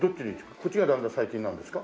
こっちがだんだん最近なんですか？